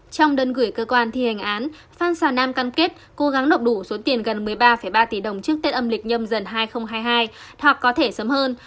trong đơn gửi cơ quan thi hành án phan xà nam cam kết cố gắng nộp đủ số tiền gần một mươi ba ba tỷ đồng trước tết âm lịch nhâm dần hai nghìn hai mươi hai hoặc có thể sớm hơn